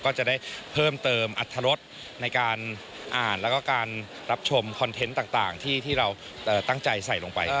ก็จะได้เพิ่มเติมอัตรรสในการอ่านแล้วก็การรับชมคอนเทนต์ต่างที่เราตั้งใจใส่ลงไป